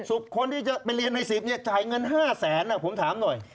คนที่จะไปเรียนใน๑๐เนี่ยจ่ายเงิน๕แสนผมถามหน่อย